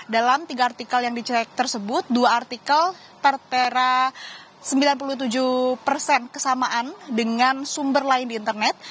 dalam tiga artikel yang dicek tersebut dua artikel tertera sembilan puluh tujuh persen kesamaan dengan sumber lain di internet